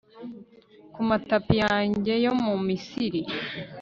Ku matapi yanjye yo mu Misiri